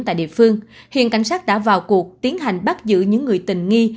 tại địa phương hiện cảnh sát đã vào cuộc tiến hành bắt giữ những người tình nghi